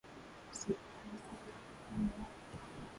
Usi hukumu usije kuhukumiwa